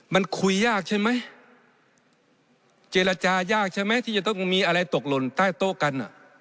มันคุยยากใช่ไหมเจรจายากใช่ไหมที่จะต้องมีอะไรตกหล่นใต้โต๊ะกันอ่ะ